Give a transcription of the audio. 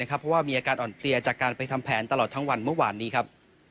เพราะว่ามีอาการอ่อนเพลียจากการไปทำแผนตลอดทั้งวันเมื่อวานนี้ครับ